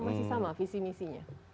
masih sama visi misinya